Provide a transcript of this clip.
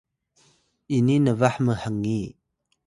ini nbah mhngiy